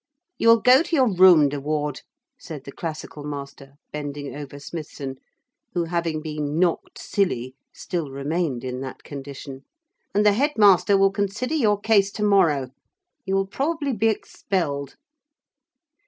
'You will go to your room, de Ward,' said the classical master, bending over Smithson, who having been 'knocked silly' still remained in that condition, 'and the headmaster will consider your case to morrow. You will probably be expelled.'